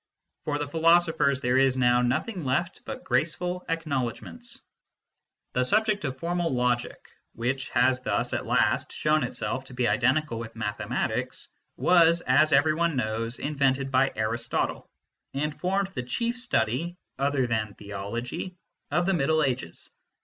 For the philosophers there is now nothing left but graceful acknowledg ments. The subject of formal logic, which has thus at last shown itself to be identical with mathematics, was, as every one knows, invented by Aristotle, and formed the chief study (other than theology) of the Middle Ages.